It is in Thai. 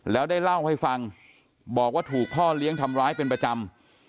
แล้วได้เล่าให้ฟังบอกว่าถูกพ่อเลี้ยงทำร้ายเป็นประจำ